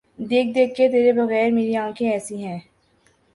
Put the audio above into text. دیکھ دیکھ کہ تیرے بغیر میری آنکھیں ایسے ہیں۔